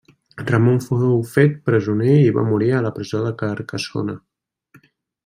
Ramon fou fet presoner i va morir a la presó de Carcassona.